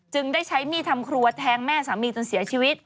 ได้ใช้มีดทำครัวแทงแม่สามีจนเสียชีวิต